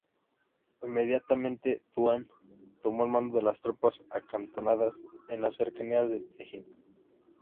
Inmediatamente Duan tomó el mando de las tropas acantonadas en las cercanías de Tianjin.